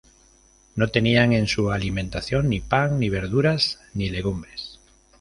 No tenían en su alimentación ni pan ni verduras ni legumbres.